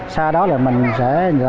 xa đó là mình sẽ